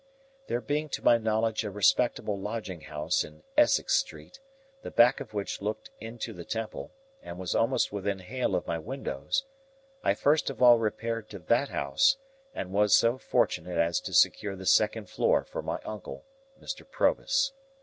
There being to my knowledge a respectable lodging house in Essex Street, the back of which looked into the Temple, and was almost within hail of my windows, I first of all repaired to that house, and was so fortunate as to secure the second floor for my uncle, Mr. Provis.